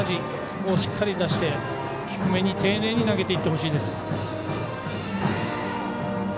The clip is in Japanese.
そこをしっかり出して低めに丁寧に投げていってほしいです。